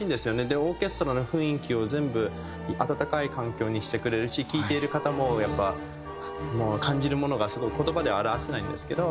でオーケストラの雰囲気を全部温かい環境にしてくれるし聴いている方もやっぱ感じるものがすごい言葉では表せないんですけど。